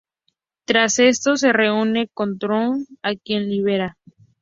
Tras esto, se reúne con Tormund, a quien libera.